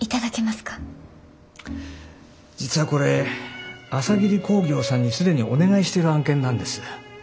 実はこれ朝霧工業さんに既にお願いしている案件なんです。